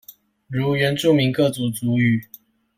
如原住民各族族語